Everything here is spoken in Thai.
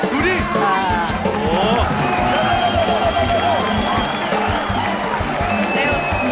ดูดูดู